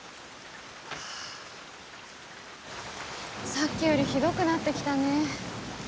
さっきよりひどくなってきたね。